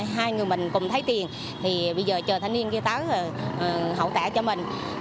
hai người mình cùng thấy tiền thì bây giờ chờ thanh niên kia tới hậu trả cho mình